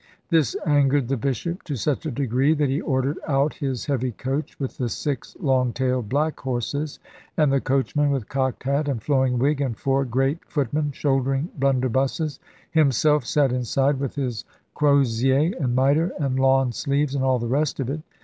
This angered the Bishop to such a degree, that he ordered out his heavy coach with the six long tailed black horses, and the coachman with cocked hat and flowing wig, and four great footmen shouldering blunderbusses; himself sate inside with his crosier and mitre, and lawn sleeves, and all the rest of it.